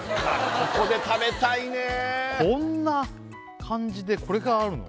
ここで食べたいねこんな感じでこれがあるの？